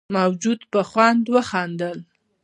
موجود په خوند وخندل.